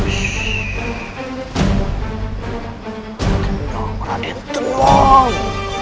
tenang raden tenang